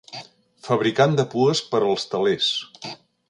Fabricant de pues per als telers.